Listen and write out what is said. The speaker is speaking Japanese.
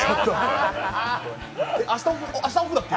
明日、オフだっけ？